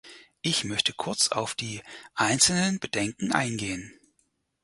Ich möchte kurz auf die einzelnen Bedenken eingehen.